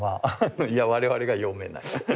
いや我々が読めない。